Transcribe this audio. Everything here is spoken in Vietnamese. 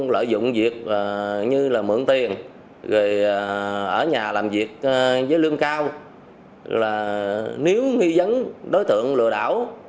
rồi ở nhà làm việc với lương cao nếu nghi dấn đối tượng lừa đảo